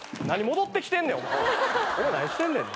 何戻ってきてんねん。